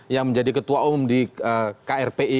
yang menjadi ketua umum di krpi